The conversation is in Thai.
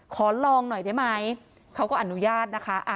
ขอลองหน่อยได้ไหมเขาก็อนุญาตนะคะ